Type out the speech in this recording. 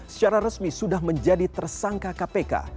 secara resmi sudah menjadi tersangka kpk